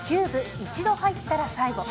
一度入ったら、最後。